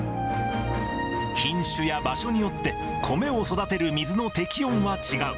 品種や場所によって米を育てる水の適温は違う。